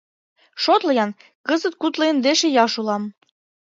Шотло-ян: кызыт кудло индеш ияш улам.